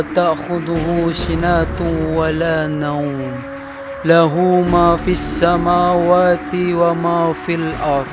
jangan menerima kematian atau tidur